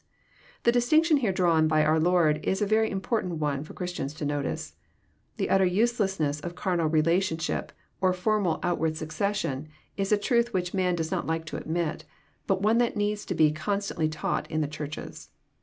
The distinction here drawn by our Lord is a very important one for Christians to notice. The utter uselessness of carnal relationship, or formal outward succession, is a truth which man does not like to admit, but one that needs to be constantly taught in the Churches.